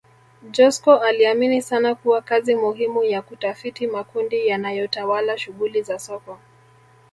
Joskow aliamini sana kuwa kazi muhimu ya kutafiti makundi yanayotawala shughuli za soko